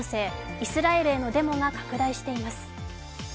イスラエルへのデモが拡大しています。